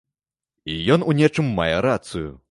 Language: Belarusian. І ён у нечым мае рацыю.